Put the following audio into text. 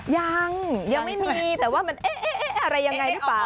ยังยังไม่มีแต่ว่ามันเอ๊ะอะไรยังไงหรือเปล่า